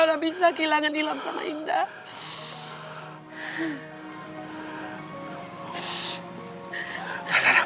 gak usah kira kira bisa kehilangan ilham sama indah